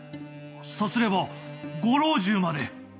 さすればご老中まで？